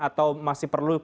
atau masih perlu